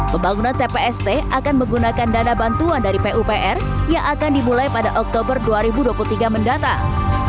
pembangunan tpst akan menggunakan dana bantuan dari pupr yang akan dimulai pada oktober dua ribu dua puluh tiga mendatang